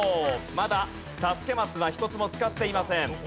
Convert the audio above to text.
まだ助けマスは１つも使っていません。